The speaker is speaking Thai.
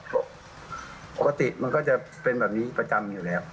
ปกติมันก็จะเป็นแบบนี้ประจำอยู่แล้ว